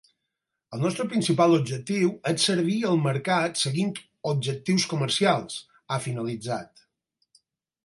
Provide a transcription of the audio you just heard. El nostre principal objectiu és servir el mercat seguint objectius comercials, ha finalitzat.